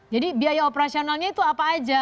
jadi biaya operasionalnya itu apa aja